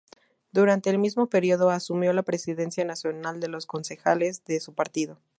Durante el mismo período asumió la presidencia nacional de los concejales de su partido.